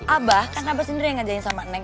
abah kan abah sendiri yang ngajarin sama neng